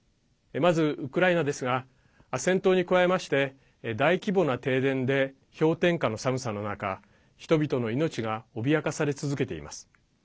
まず、ウクライナですが戦闘に加えまして大規模な停電で氷点下の寒さの中人々の命が脅かされ続けています。